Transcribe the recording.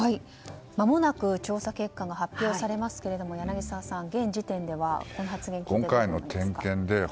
まもなく調査結果が発表されますけれども柳澤さん、現時点ではこの発言を聞いてどうですか。